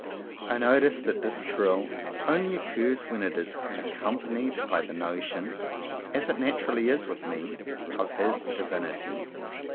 I notice that this thrill only occurs when it is accompanied by the notion, as it naturally is with me, of His Divinity.